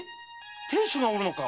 ⁉亭主がおるのか？